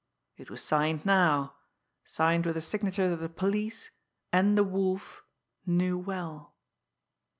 It was signed now! Signed with a signature that the police and the Wolf knew well!